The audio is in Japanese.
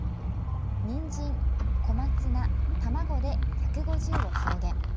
にんじん、小松菜、卵で「１５０」を表現。